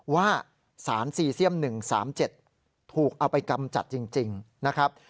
ว่าสารซีเซียม๑๓๗ถูกเอาไปกำจัดจริงนะครับ